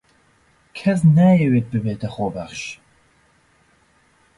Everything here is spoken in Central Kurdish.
کەس نایەوێت ببێتە خۆبەخش.